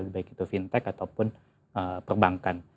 baik itu fintech ataupun perbankan